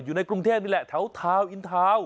อยู่ในกรุงเทพนี่แหละแถวทาวน์อินทาวน์